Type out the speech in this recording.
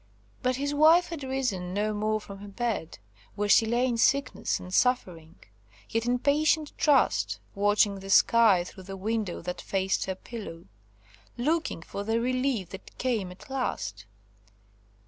But his wife had risen no more from her bed, where she lay in sickness and suffering, yet in patient trust; watching the sky through the window that faced her pillow; looking for the relief that came at last.